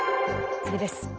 次です。